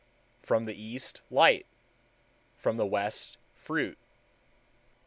From the East light; from the West fruit.